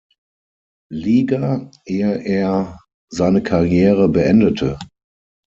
Liga, ehe er seine Karriere beendete.